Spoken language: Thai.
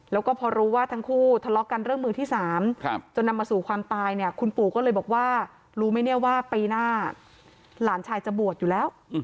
แล้วก็พอรู้ว่าทั้งคู่ทะเลาะกันเรื่องมือที่๓จนนำมาสู่ความตายเนี่ยคุณปู่ก็เลยบอกว่ารู้ไหมเนี่ยว่าปีหน้าหลานชายจะบวชอยู่แล้ว